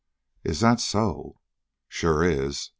"Is that so!" "Sure is!